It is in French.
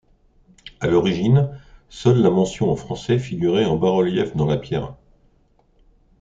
À l'origine seule la mention en français figurait en bas-relief dans la pierre.